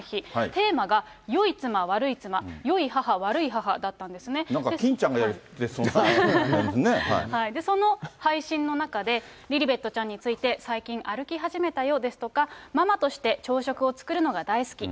テーマがよい妻、悪い妻、よい母、なんか欽ちゃんがやってそうその配信の中で、リリベットちゃんについて、最近、歩き始めたよですとか、ママとして朝食を作るのが大好き。